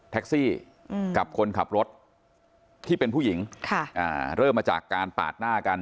แท็กซี่กับคนขับรถที่เป็นผู้หญิงเริ่มมาจากการปากหน้ากัน